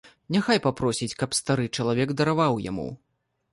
Няхай папросіць, каб стары чалавек дараваў яму.